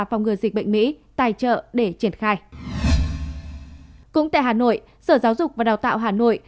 phòng ngừa dịch bệnh mỹ tài trợ để triển khai cũng tại hà nội sở giáo dục và đào tạo hà nội